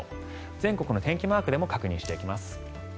全国の天気マークでも確認していきます。